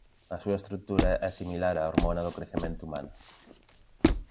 A súa estrutura é similar á hormona do crecemento humana.